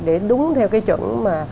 để đúng theo cái chuẩn mà